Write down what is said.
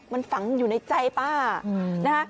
มันฝังอยู่ในใจป้านะคะ